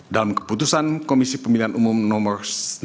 dalam keputusan komisi pemilihan umum nomor seribu enam ratus tiga puluh dua